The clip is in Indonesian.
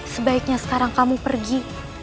sebaiknya sekarang kamu pergi